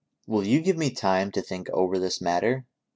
"Will you give me time to think over this matter?"